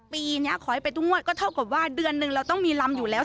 ปีนี้ขอให้ไปทุกงวดก็เท่ากับว่าเดือนหนึ่งเราต้องมีลำอยู่แล้ว